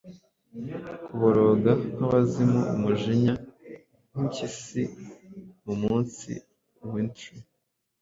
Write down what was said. Kuboroga nkabazimu, umujinya nkimpyisi Mumunsi wintry.